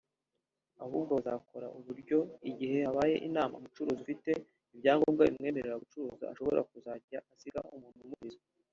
ahubwo bazakora uburyo igihe habaye inama umucuruzi ufite ibyangombwa bimwemerera gucuruza ashobora kuzajya asigaho umuntu umucururiza